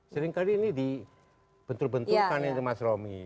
seringkali ini dibentur benturkan itu mas romy